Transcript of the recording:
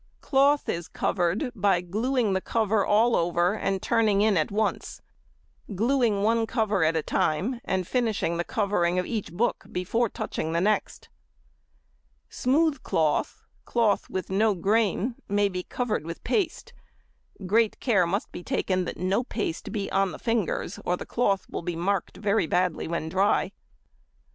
Cloth is covered by gluing the cover all over and turning in at once: gluing one cover at a time, and finishing the covering of each book before touching the next. Smooth cloth, cloth with no grain, may be covered with paste: great care must be taken that no paste be on the fingers, or the cloth will be marked very badly when dry.